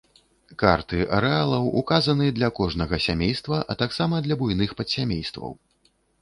Карты арэалаў указаны для кожнага сямейства, а таксама для буйных падсямействаў.